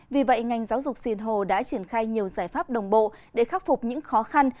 vì vậy ngành giáo dục sinh hồ đã triển khai nhiều giải pháp đồng bộ để khắc phục những khó khăn